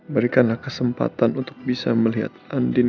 berikanlah kesempatan untuk bisa melihat andina